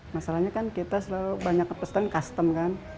masalahnya kan kita selalu banyak pesan custom kan